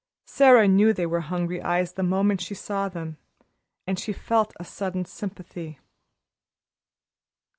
Sara knew they were hungry eyes the moment she saw them, and she felt a sudden sympathy.